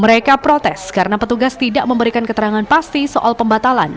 mereka protes karena petugas tidak memberikan keterangan pasti soal pembatalan